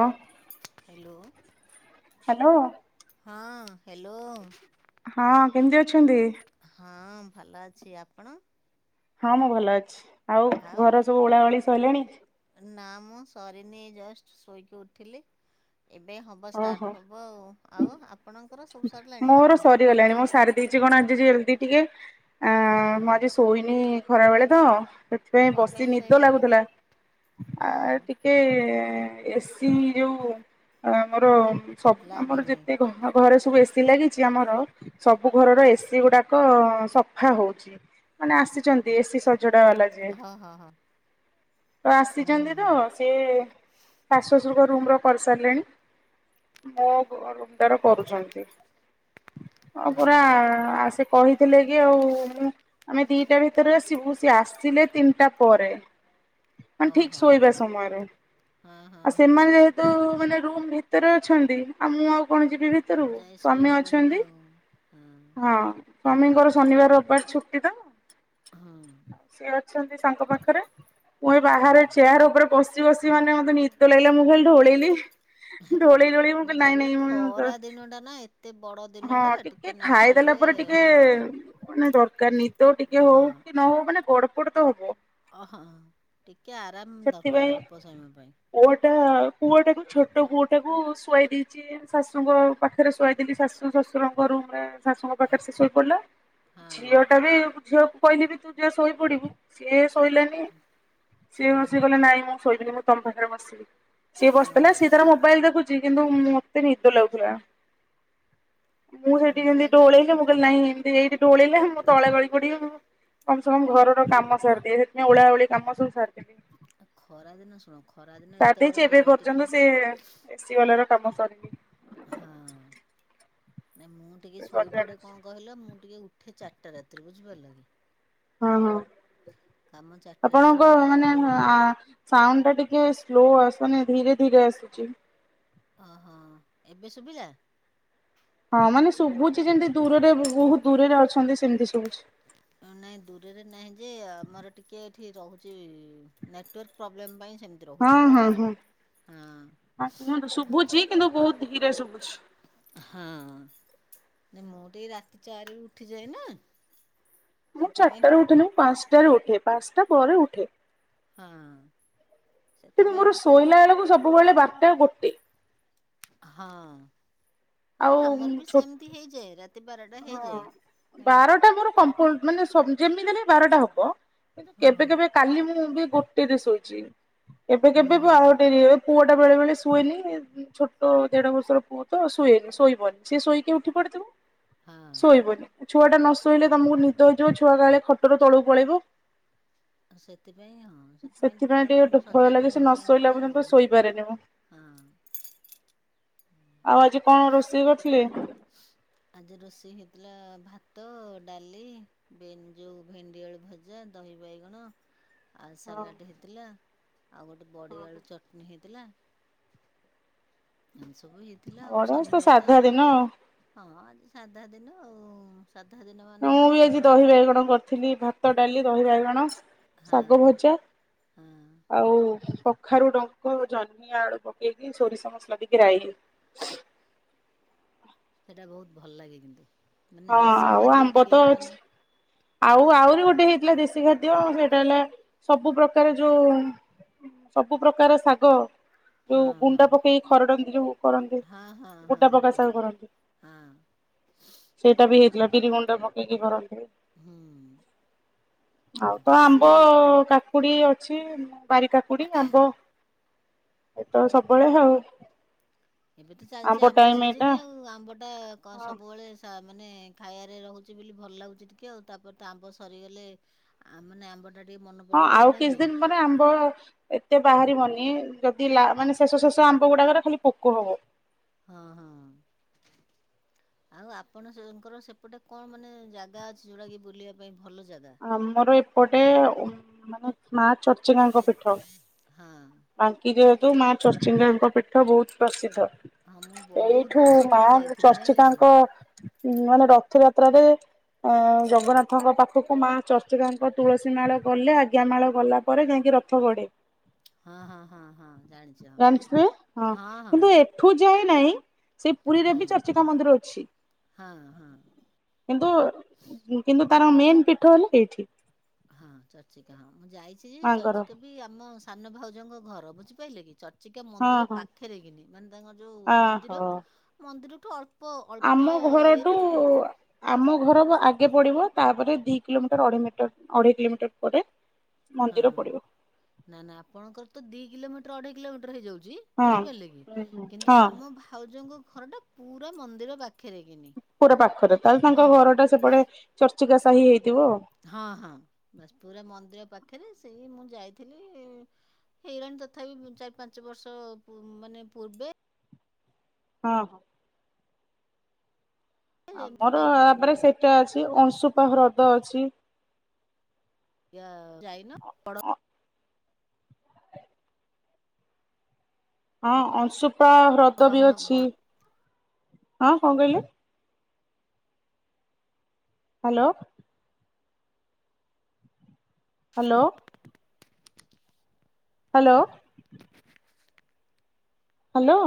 ହଁ hello hello ହଁ hello ହଁ କେମିତି ଅଛନ୍ତି? ହଁ ଭଲ ଅଛି ଆପଣ ହଁ ମୁଁ ଭଲ ଅଛି। ଆଉ ଘର ସବୁ ଓଳା ଓଳି ଗଲେଣି ନା ମୁଁ ସରିନି ଜଷ୍ଟ ଶୋଇକି ଉଠିଲି। ଏବେ ହବ ଓହୋ। ଷ୍ଟାର୍ଟ ହବ ଆ ଆଉ ଆପଣଙ୍କର ସବୁ ସାରିଲାଣି କାମ। ଜଲଦି ଟିକେ ଆ ଆଁ ହଁ ମୁଁ ଆଜି ସୋଇନି ଇ ଖରା ବେଳେ ତ ସେଥିପାଇଁ କଣ ବସି ପାଇଁ ନିଦ ଶୋଇଲେନି ଲାଗୁଥିଲା ଆ ହଁ ଟିକେ ଏସି ଯୋଉ ଆମର ସବୁ ଆମର ଲାଗିନି ଯେତେ ଘରେ ସ ସବୁ ଏସିି ଲାଗିଛି ଆମର ସବୁ ଘରର ଏସିି ଗୁଡାକ ସଫା ହଉଛି ମାନେ ଆସିଛନ୍ତି ଏସି ସ ଜୁଡାବାଲା ଯି ହଁ ହଁ ହଁ ତ ହୁଁ ଆସିଛନ୍ତି ହୁଁ ତ ହୁଁ ସିଏ ଶାଶୁ ବୁଜୁର୍ଗ ରୁମ ର କରିସାରିଲେଣି ମୋ ରମଟାର କରୁଛନ୍ତି। ହଁ ପୁରା ଆସେ କହିଥିଲେ କି ଆଉ ମୁଁ ଆମେ ଦିଟା ଭିତରେ ଆସିବୁ ସେ ଆସିଲେ ତିନିଟା ପରେ। ମାନେ ଠିକ ଓହୋ ଶୋଇବା ସମୟରେ ହଁ ହଁ ଆଉ ହଁ ସେମାନେ ହଁ ଯେହେତୁ ମାନେ। ରୁମ୍ ଭିତରେ ଅଛନ୍ତି ଆଉ ମୁଁ ଆଉ କଣ ଯ। ଭିତରକୁ ଯାଇ ଶୋଇ ସ୍ଵାମୀ ହବନି ଅଛନ୍ତି ଆଉ ହଁ। ସ୍ଵାମୀଙ୍କର ଶନିବାର ରବିବାର ଛୁଟି ତ ହଁ ହଁ ସିଏ ଅଛନ୍ତି ସାଙ୍ଗ ପାଖରେ। ମୁଁ ଏ ବାହରେ ହଁ ଚେୟାର ଉପରେ ବ୍ ବସି ବସି ମାନେ ମତେ ନିଦ ଲାଗିଲା ମୁ ଖାଲି ଢୋଳେଇଲି। ଢୋଳେଇ ଢୋଳେଇ ମୁଁ କହିଲି ନାଇଁ ନାଇଁ ତାପରେ ନାଇଁ ମୁଁ ଖରା ଦିନ ଟା ନା ଏତେ ବଡ ଦିନ ହଁ ଟା ଟିକେ ନ ଖାଇଦେଲା ଶୋଇଲେ ପରେ ଟିକେ ହଁ ଦରକାର ନି ଦ ଟିକେ ହଉ କି ନ ହଉ ମାନେ ଗଡ଼ [inaudible] ହବ। ଓ ହ ଠିକ୍। ଟିକେ ଆରାମ ଦରକାର ଅଳ୍ପ ସମୟ ପାଇଁ। ପୁଆଟାକୁ ଛୋଟ ପୁଅଟାକୁ ଶୁଆଇ ଦେଇଛି ଶାଶୁଙ୍କ ପାଖରେ ଶୁଆଇଦେଲି ଶାଶୁ ଶଶୁରଙ୍କ ରୁମ୍ ରେ। ଶାଶୁଙ୍କ ପାଖରେ ସେ ଶୋଇ ପଡିଲା ହଁ ଝିଅ ଟା ବି ଝିଅକୁ କହିଲି ବି ତୁ ଯା ଶୋଇ ପଡିବୁ ସିଏ ଶୋଇଲାନି। ହଁ ହଁ [inaudible] ନାଇଁ ମୁଁ ମୁଁ ତମ ପାଖରେ ବସିବି। ସିଏ ବସିଥିଲା ସିଏ ହଁ ତାର ମୋବାଇଲ ଦେଖୁ କିନ୍ତୁ ମତେ ନିଦ ଲାଗୁଥିଲା। [inaudible] [inaudible] ନିଦ ଲାଗିବନି କମ ସେ କମ ଘର କାମ ସାରିଦିଏ ସେଥିପାଇଁ ଓଳା ଓଳି କାମ ସବୁ ସାରି [unintelligible] ଆ ଖରା ଦିନ। [inaudible] ଏତେ ବଡ ଦିନ [inaudible] ଟିକେ କାମ ସରିନି। ହଁ। ନାଇଁ ମୁଁ ଟିକେ ଶୋଇପଡେ ସଜାଡୁଛି। କଣ କହିଲ ମୁଁ ଟିକେ ଉଠେ ଚାରିଟା ରାତିରେ ବୁଝିପାରିଲ କି। ହଁ ହଁ। କାମ ଚାରିଟା ରାତିରୁ ଆପଣଙ୍କ କଣ କି ମାନେ ଆ ସାଉଣ୍ଡ ଟା ଟିକେ ସ୍ଲୋ [inaudible] ଧୀରେ ଧୀରେ ଆସୁଛି। ଓହୋ ଏବେ ଶୁଭିଲା। ହଁ ମାନେ ଶୁଭୁଛି ଯେମତି ଦୂରରେ ବହୁତ ଦୂରରେ ଅଛନ୍ତି ସେମତି ଶୁଭୁଛି। ନାଇଁ ଦୂରରେ ନାହିଁ ଯେ ଆମର ଟିକେ ଏଠି ରହୁଛି ନେଟୱାର୍କ ପ୍ରୋବ୍ଲେମ ପାଇଁ। ସେମିତି ହଁ ରହୁଛି। ହଁ ହଁ ହଁ କୁହନ୍ତୁ ଶୁଭୁଛି କିନ୍ତୁ ବହୁତ ଧୀରେ ସୁବୁଚି। ହଁ ମୁଁ ତ ଏ ରାତି ଚାରି ଉଠିଯାଏ ନା। ମୁଁ ସେଥିପାଇଁ ଟି ଚାରିଟାରେ ଉଠିନି ପାଞ୍ଚଟା ଉଠେ ପାଞ୍ଚଟା ପରେ ଉଠେ। ହଁ। କିନ୍ତୁ ସେଥିପାଇଁ ମୋର ଟିକେ ଶୋଇଲା ବେଳକୁ ସବୁବେଳେ ବା ଟା ଗୋଟେ। ହଁ। ହେଲେ ଆଉ ଆମର ବି ଛୋ ସେମିତି ହେଇଯାଏ ରାତି। ବାରଟା ହଁ ହେଇଯାଏ। ହଁ ବାରଟା ମୋର ମାନେ ଯେମିତି ହେଲେ ବାରଟା ହବ। କିନ୍ତୁ କେବେ କେବେ କାଲି ମୁଁ ବି ଗୋଟେ ରେ ଶୋଇଚି। ଏବେ ହୁଁ କେବେ ହୁଁ ହୁଁ ଆରି ପୁଅ। ଟା ବେଳେ ବେଳେ ଶୁଏନି ଛୋଟ ଦେଢ ବର୍ଷର ପୁଅ ତ ଶୁଏନି ଶୋଇବନି ସେଏ ଶୋଇକି ଉଠି ପଡିଥିବ। ହଁ। ଶୋଇବନି ଛୁଆଟା ନ ଶୋଇଲେ ତମକୁ ନିଦ ହେଇଯିବ ଛୁଆ କାହଲେ ଖଟର ତଳକୁ ପଳେଇବ। ସେଥିପାଇଁ ହଁ ସେଥିପାଇଁ ଟିକେ ଗୋଟେ ଆପଣଙ୍କୁ ଭୟ ସଜାଗ ଲାଗେ ସେ ରହିବା ନ ପାଇଁ ଶୋଇଲା ପଡ଼େ ପର୍ଯ୍ୟନ୍ତ ଆଉ ଶୋଇପାରେନି ମୁଁ। ହଁ। ଆଉ ଆଜି କଣ ରୋଷେଇ କରିଥିଲେ? ଆଜି ରୋଷେଇ ହେଇଥିଲା ଭାତ ଡାଲି ଭେନ-ଜୁ ଭେଣ୍ଡିଆଳୁ ଭଜା ଦହି ବାଇଗଣ। ଆଉ ସାଲାଡ଼ ହେଇଥିଲା ଆଉ ଗୋଟେ ବଡିଆଳୁ ଚଟଣିୀ ହେଇଥିଲା। ଏମିତି ସବୁ ହେଇଥିଲା ଆଉ ଅଡା ଶନିବାର ତ ସାଧା ଦିନ ଆଉ। ହଁ ଆଜି ସାଧା ଦିନ। ଆଉ ସାଧା ଦିନ ମାନେ ମୁଁ ତ ବି ଆଜି ଆମର ଦହି ଟୋଟାଲ ବାଇଗଣ କରିଥିଲି ଭାତ ଡାଲି। ଦହି ବାଇଗଣ ହଁ ଶାଗ ଭଜା ହଁ ଆଉ କଖାରୁ ଡଙ୍କ ଜହ୍ନିଆ ଆଳୁ ପକେଇକି ସୋରିଷ ମସଲା ଦେଇକି ରାଇ। ସେଇଟା ବହୁତ ଭଲ ଲାଗେ କିନ୍ତୁ। ମାନେ ହଁ ଦେଶୀ ଆଉ ଖାଦ୍ୟ ଆମ୍ବ ତ ଟିକେ ଅଛି। ମାନେ। ଆଉ ଆହୁରି ଗୋଟେ ହେଇଥିଲା ଦେଶୀ ଖାଦ୍ୟ ସେଇଟା ହେଲା ସବୁ ପ୍ରକାର ଯୋଉ ସବୁ ପ୍ରକାର ଶାଗ। ଯୋଉ ହଁ ହଁ ଗୁଣ୍ଡା ପକେଇକି ଖରଡନ୍ତି ଯୋଉ କରନ୍ତି ହଁ ଗୁଣ୍ଡା ହଁ ପକା ହଁ ସ କରନ୍ତି ହଁ ସେଇଟା ହଁ ବି ହେଇଥିଲା ବିରି ଗୁଣ୍ଡା ପକେଇ। ହେକି କରନ୍ତି। ହୁଁ ଆଉ ତ ଆମ୍ବ ଦେଶୀ କା। କାକୁଡି ଅଛି ବାରି କାକୁଡି ଆମ୍ବ ଏତ ସବୁବେଳେ ଆଉ। ଏବେ ତ ଚାଲିଛି ଆମ୍ବ ଟାଇମ ଏଇଟା ସିଜିନି ଆଉ ଆମ୍ବ ଟା ହଁ ସବୁବେଳେ। ମାନେ ଖାଇବାରେ ରହୁଛି ବୋଲି ଭଲ ଲାଗୁଛି ଟିକେ ଆଉ ତାପରେ ତ ଆମ୍ବ ସରିଗଲେ ମାନେ ଆମ୍ବଟା ଟିକେ ମନେ ହଁ ପଡିବ ଆଉ ନାଇଁ କିଛି କି ଦିନ ପରେ ଆମ୍ବ ଏତେ ବାହାରି ମନ। ଯଦି ମାନେ ଶେଷ ଶେଷ ଆମ୍ବ ଗୁଡାକରେ ଖାଲି ପୋକ ହବ। ହଁ ହଁ ଆଉ ଆପଣ ସେଙ୍କର ସେପଟେ କଣ ମାନେ ଜାଗା ଅଛି ଯୋଉଟା କି ବୁଲିବା ପାଇଁ ଭଲ ଜାଗା? ଆମର ଏପଟେ ହଁ ମାନେ ମା ଚର୍ଚିକା ଙ୍କ ପୀଠ ହଁ ବାଙ୍କି ରେ ନ୍ତୁ ମା ଚର୍ଚିଙ୍କାଙ୍କ ପୀଠ ବହୁତ ପ୍ରସିଦ୍ଧ ହଁ ମୁଁ ବହୁତ ଏଇଠୁ ବର୍ଷ ମା ତଳେ ଯାଇଥିଲି ଜାଣିଲେ କି ଚର୍ଚିକାଙ୍କ ମାନେ ର ରଥଯାତ୍ରାରେ ଅ ଜଗନ୍ନାଥଙ୍କ ପାଖ। ପାଖକୁ ମା ଚର୍ଚିକାଙ୍କ ତୁଳସୀ ମାଳ ଗଲେ ଆଜ୍ଞା ମାଳ ଗଲା ପରେ ଯାଇକି ରଥ ଗଢେମ। ହଁ ହଁ ହଁ ହଁ ଜାଣିଛ ହଁ ହଁ ହଁ। ନାଇଁ। ସେଇ ପୁରୀରେ ବି ନାଇଁ ଚର୍ଚିକା ମନ୍ଦିର ଅଛି ହଁ ହଁ କିନ୍ତୁ କିନ୍ତୁ ତାର ମେନ ପିଠ ନା ଏଇଠି। ହଁ ଚର୍ଚ୍ଚିକା। ମୁଁ ଯାଇଛି ଯେ ମାଙ୍କର ଚର୍ଚିକା ବି ଆମ ସାନ ଭାଉଜଙ୍କ ଘର ବୁଝିପାରେ କି ଚ ଚିକା ହଁ ମନ୍ଦିର ହଁ ପାଖରେ କିିନା ମାନେ ତାଙ୍କର ଯୋଉ ମନ୍ଦିର ଅହୋ ମନ୍ଦିର ର ଆମ ଘରଠୁ ଆମ ଘର ଆ ଆଗେ ପଡିବ ତାପରେ ଦି କିଲୋମିଟର ଅଢେଇ ମିଟର ଅଢେଇ କିଲୋମିଟର ପରେ ହଁ ମନ୍ଦିର ପଡିବ ନା ନା ଆପଣଙ୍କର ତ ଦି କିଲୋମଟର ଅଢ କୋମିଟରଇଉଛି। ହଁ ବୁଝିପାରିଲେ କି କିନ୍ତୁ ହଁ ଆମ ଭାଉଜଙ୍କୁ ଘର ଟା ପୁରା ମନ୍ଦିର ବାକି ପୁରା ପାଖରେ ତାହେଲେ ତାଙ୍କ ଘର ଟା ସେପଟେ ଚର୍ଚିକା ସହି ହଁ ହଁ ବା ପୁରା ମନ୍ଦିର ପାଖ। ପାଖରେ ସେଇ ମୁଁ ଯାଇଥିଲି ହେଇରାଣି ତଥାପି ଚାରି ପାଞ୍ଚ ବର୍ଷ ମାନେ ପୂର୍ବେ ହଁ ହଁ। ଏମିତି ଆମର ଯାଇ ମୋର ତାପରେ ସବୁବେଳେ ସେଇଟା ଅଛି ଅଂଶୁ ଉପା ହ୍ରଦ ଅଛି। ଚାଇନା ପ ହଁ ଅନ। ପା ହ୍ରଦ ବି କାମ ବଡ ଅଛି। ହଁ କଣ କହିଲେ। ହ୍ୟାଲୋ। ହ୍ୟାଲୋ। ହ୍ୟାଲୋ। ହ୍ୟାଲୋ।